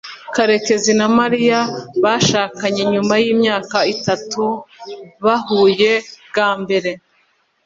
karekezi na mariya bashakanye nyuma yimyaka itatu bahuye bwa mbere